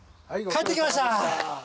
帰ってきました。